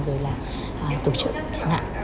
rồi là tổ chức